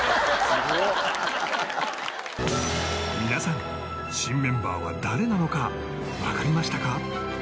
皆さん新メンバーは誰なのかわかりましたか？